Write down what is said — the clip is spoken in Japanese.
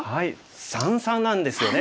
三々なんですよね。